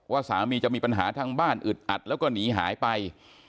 สามีจะมีปัญหาทางบ้านอึดอัดแล้วก็หนีหายไป